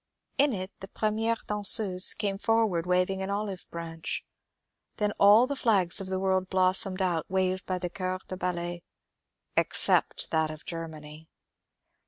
In it the premiere danseuse came forward waving an olive branch. Then all the flags of the world blossomed out — waved by the corps de ballet — except that of Germany.